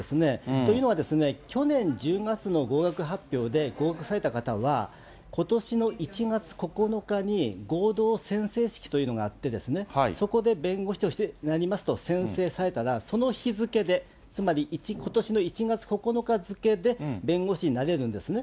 というのは、去年１０月の合格発表で合格された方は、ことしの１月９日に合同宣誓式というのがあって、そこで弁護士になりますと宣誓されたら、その日付で、つまり、ことしの１月９日付で、弁護士になれるんですね。